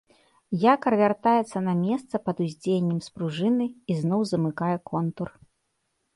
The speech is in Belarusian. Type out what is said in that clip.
Якар вяртаецца на месца пад уздзеяннем спружыны і зноў замыкае контур.